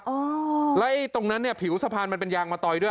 กันไปแบบนั้นครับอ๋อแล้วไอ้ตรงนั้นเนี่ยผิวสะพานมันเป็นยางมาตอยด้วย